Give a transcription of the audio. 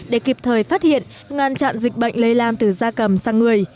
để kịp thời phát hiện ngăn chặn dịch bệnh lây lan từ da cầm sang người